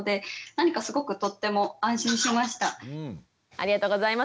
ありがとうございます。